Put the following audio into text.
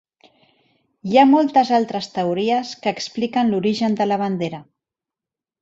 Hi ha moltes altres teories que expliquen l'origen de la bandera.